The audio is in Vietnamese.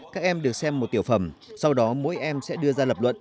các em được xem một tiểu phẩm sau đó mỗi em sẽ đưa ra lập luận